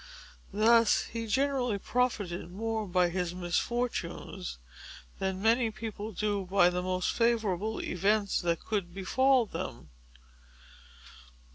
Thus he generally profited more by his misfortunes, than many people do by the most favorable events that could befall them.